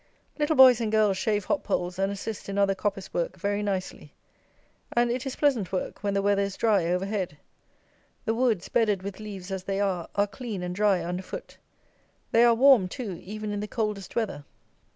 Little boys and girls shave hop poles and assist in other coppice work very nicely. And it is pleasant work when the weather is dry overhead. The woods, bedded with leaves as they are, are clean and dry underfoot. They are warm too, even in the coldest weather.